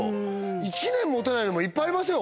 １年もたないのもいっぱいありますよ